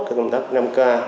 cái công tác năm k